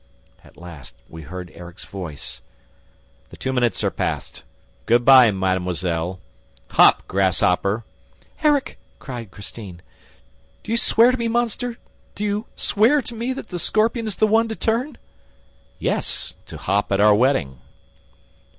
At last, we heard Erik's voice: "The two minutes are past ... Good by, mademoiselle... Hop, grasshopper! "Erik," cried Christine, "do you swear to me, monster, do you swear to me that the scorpion is the one to turn? "Yes, to hop at our wedding."